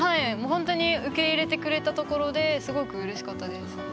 ほんとに受け入れてくれたところですごくうれしかったです。